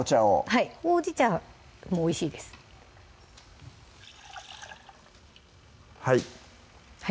はいほうじ茶もおいしいですはい！